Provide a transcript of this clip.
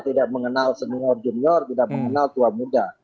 tidak mengenal senior senior tidak mengenal tua tua muda